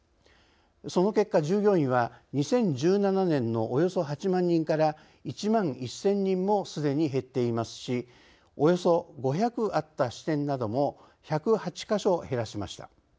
その結果、従業員は２０１７年のおよそ８万人から１万１０００人もすでに減っていますしおよそ５００あった支店なども１０８か所、減らしました。